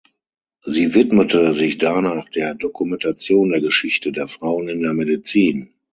Sie widmete sich danach der Dokumentation der Geschichte der Frauen in der Medizin.